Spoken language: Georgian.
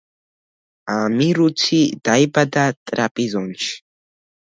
ამირუცი დაიბადა ტრაპიზონში.